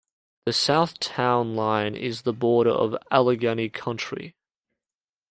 The south town line is the border of Allegany County.